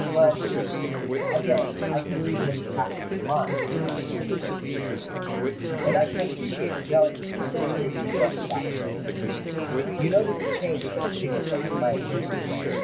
"But——" "Again I can read what is passing in your mind," observed the Major, with a smile; "and I can appreciate the delicacy which made you thus stop short. You notice the change that has taken place in my appearance?